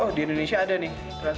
oh di indonesia ada nih